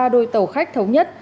ba đôi tàu khách thống nhất